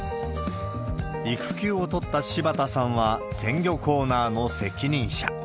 育休を取った柴田さんは、鮮魚コーナーの責任者。